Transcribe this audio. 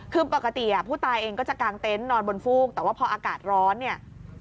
คือปกติผู้ตายเองก็จะกางเต็นต์นอนบนฟูกแต่ว่าพออากาศร้อนเนี่ย